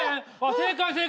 正解正解。